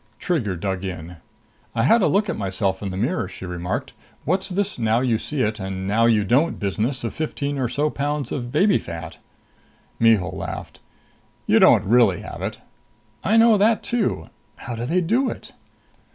Trigger dug in. "I had a look at myself in the mirror," she remarked. "What's this now you see it now you don't business of fifteen or so pounds of baby fat?" Mihul laughed. "You don't really have it." "I know that too. How do they do it?"